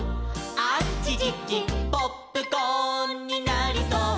「あちちちポップコーンになりそう」